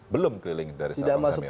belum keliling dari sabang sampai merauke